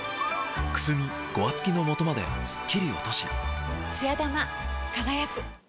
くすみ、ごわつきのもとまですっつや玉、輝く。